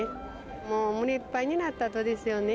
もう胸いっぱいになったとですよね。